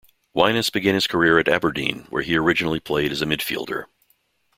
Wyness began his career at Aberdeen, where he originally played as a midfielder.